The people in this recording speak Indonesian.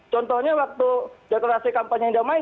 contohnya waktu deklarasi kampanye indah main